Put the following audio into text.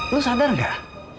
lu sadar gak